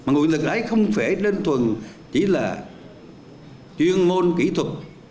ngụy lực đấy không phải linh thường chỉ là chuyên môn kỹ thuật